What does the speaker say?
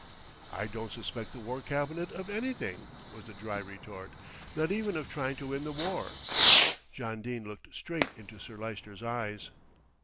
"I don't suspect the War Cabinet of anything," was the dry retort, "not even of trying to win the war." John Dene looked straight into Sir Lyster's eyes.